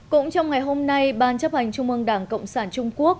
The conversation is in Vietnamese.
cũng trong ngày hôm nay ban chấp hành trung ương đảng cộng sản trung quốc